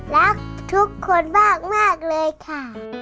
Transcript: รักทุกคนมากเลยค่ะ